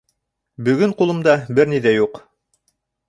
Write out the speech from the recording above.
Бөгөн ҡулымда бер ни ҙә юҡ.